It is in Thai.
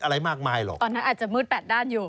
อะไรมากมายหรอกตอนนั้นอาจจะมืดแปดด้านอยู่